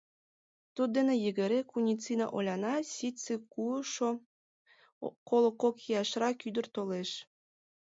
Туддене йыгыре Куницина Оляна, ситце куышо, коло кок ияшрак ӱдыр толеш.